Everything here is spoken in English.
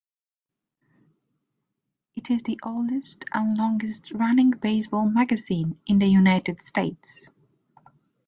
It is the oldest and longest-running baseball magazine in the United States.